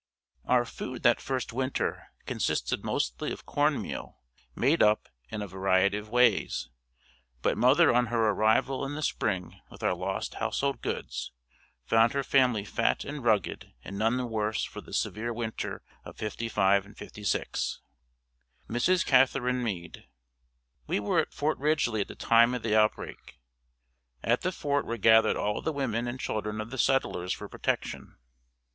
Our food that first winter consisted mostly of corn meal, made up, in a variety of ways. But mother on her arrival in the spring with our lost household goods, found her family fat and rugged and none the worse for the severe winter of '55 '56. Mrs. Catherine Meade. We were at Fort Ridgely at the time of the outbreak. At the fort were gathered all the women and children of the settlers for protection.